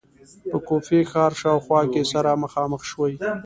په کوفې ښار شاوخوا کې سره مخامخ شوې.